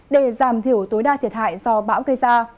để giảm thiểu tối đa thiệt hại do bão gây ra